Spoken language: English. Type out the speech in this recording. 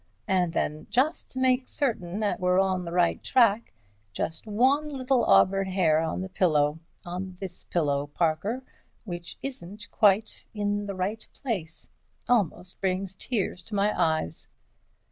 And then, just to make certain that we're on the right track, just one little auburn hair on the pillow, on this pillow, Parker, which isn't quite in the right place. It almost brings tears to my eyes."